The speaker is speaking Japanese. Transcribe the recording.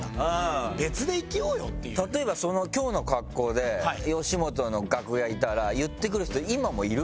例えばその今日の格好で吉本の楽屋いたら言ってくる人今もいる？